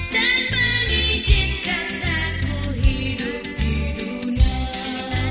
dan mengizinkan aku hidup di dunia